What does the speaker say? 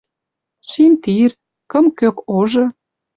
Шим тир, кым кӧк ожы